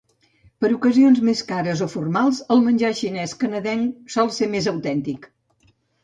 Per ocasions més cares o formals, el menjar xinès canadenc sol ser més autèntic.